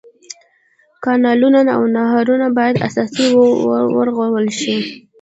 کانلونه او نهرونه باید اساسي ورغول شي.